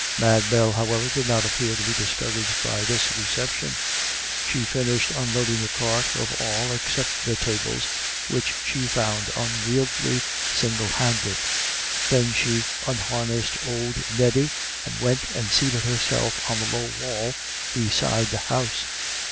Mad Bell, however, did not appear to be discouraged by this reception. She finished unloading the cart of all except the tables, which she found unwieldy single handed. Then she unharnessed old Neddy, and went and seated herself on the low wall beside the house.